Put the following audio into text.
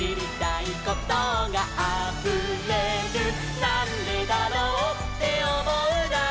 「なんでだろうっておもうなら」